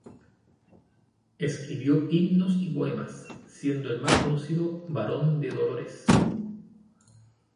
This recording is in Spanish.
Escribió himnos y poemas, siendo el más conocido "Varón de Dolores".